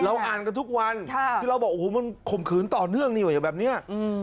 อ่านกันทุกวันที่เราบอกโอ้โหมันข่มขืนต่อเนื่องนี่แบบนี้